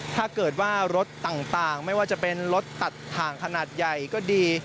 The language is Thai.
ถ้าเกิดว่ารถต่างไม่ว่าจะเป็นรถตัดถ่างขนาดใหญ่ก็ดี